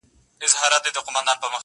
ما چي د ميني په شال ووهي ويده سمه زه.